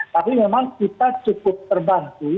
tapi memang kita cukup terbantu